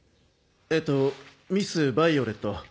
えっとミス・ヴァイオレット。